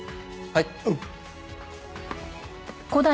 はい。